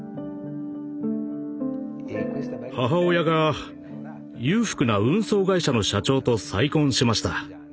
母親が裕福な運送会社の社長と再婚しました。